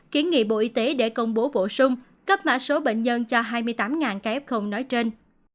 kiến nghị bộ y tế để công bố bổ sung cấp mã số bệnh nhân cho hai mươi tám ca f nói trên